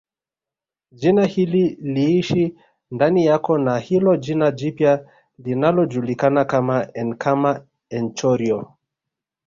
Jina hili liishi ndani yako na hilo jina jipya linalojulikana kama enkama enchorio